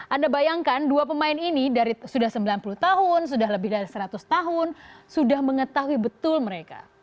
anda bayangkan dua pemain ini dari sudah sembilan puluh tahun sudah lebih dari seratus tahun sudah mengetahui betul mereka